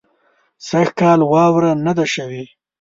سږ کال واوره نۀ ده شوې